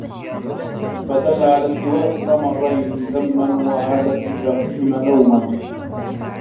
فَدَلَّ عَلَى اسْتِوَاءِ الْأَمْرَيْنِ ذَمًّا وَعَلَى اتِّفَاقِهِمَا لَوْمًا